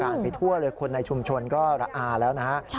ไปทั่วเลยคนในชุมชนก็ระอาแล้วนะฮะ